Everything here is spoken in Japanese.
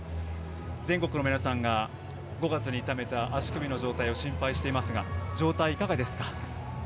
全国の皆さんが５月に痛めた足首の状態を心配していますが状態はいかがですか？